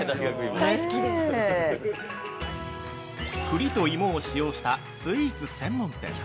◆栗と芋を使用したスイーツ専門店。